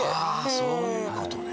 そういうことね。